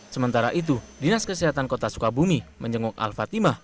sementara itu dinas kesehatan kota sukabumi menjenguk al fatimah